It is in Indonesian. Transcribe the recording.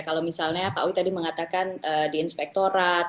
kalau misalnya pak awi tadi mengatakan di inspektorat